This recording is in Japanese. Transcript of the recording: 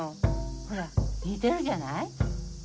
ほら似てるじゃない？